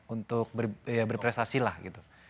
untuk berprestasi lah gitu